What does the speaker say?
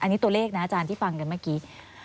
อันนี้ตัวเลขนะอาจารย์ที่ฟังกันเมื่อกี้